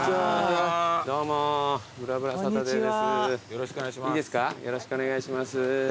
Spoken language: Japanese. よろしくお願いします。